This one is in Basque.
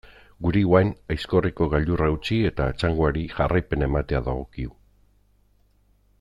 Guri, orain, Aizkorriko gailurra utzi eta txangoari jarraipena ematea dagokigu.